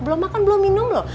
belum makan belum minum loh